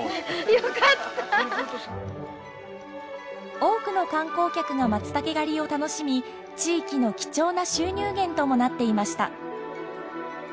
多くの観光客がマツタケ狩りを楽しみ地域の貴重な収入源ともなっていました。